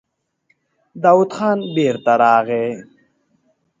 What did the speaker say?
داوود خان بېرته راغی.